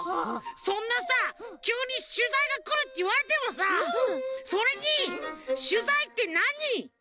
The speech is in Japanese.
そんなさきゅうにしゅざいがくるっていわれてもさそれにしゅざいってなに？